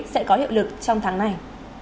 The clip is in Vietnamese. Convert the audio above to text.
sẽ có hiệu lực trong tháng này